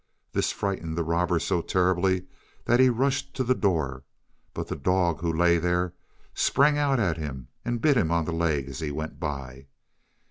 This frightened the robber so terribly that he rushed to the door, but the dog, who lay there, sprang out at him and bit him on the leg as he went by.